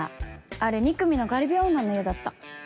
あれ２組のガリ勉女の家だった。